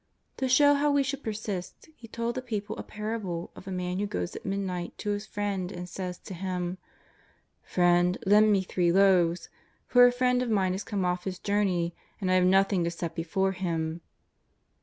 To show how we should persist, He told the people a parable of a man who goes at midnight to his friend and says to him :" Friend, lend me three loaves, for a friend of mine has come off his journey and I have nothing to set before him."